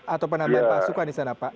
atau penambahan pasukan di sana pak